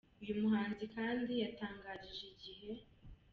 Uyu muhanzi kandi yatangarije « Igihe.